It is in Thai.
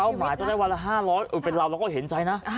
หมายต้องได้วันละ๕๐๐เป็นเราเราก็เห็นใจนะ